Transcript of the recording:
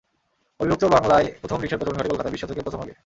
অবিভক্ত বাংলায় প্রথম রিকশার প্রচলন ঘটে কলকাতায়, বিশ শতকের প্রথম ভাগে।